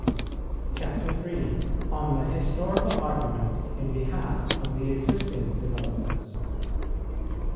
] CHAPTER III. ON THE HISTORICAL ARGUMENT IN BEHALF OF THE EXISTING DEVELOPMENTS.